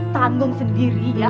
tanggung sendiri ya